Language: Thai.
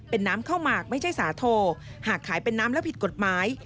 เป็นน้ำข้าวหมากไม่ใช่สาโทหากขายเป็นน้ำแล้วผิดกฎหมาย